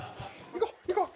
行こう行こう。